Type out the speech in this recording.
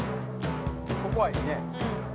「ここはいいね」